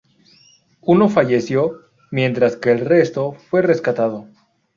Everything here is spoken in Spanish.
Uno falleció, mientras que el resto fue rescatado.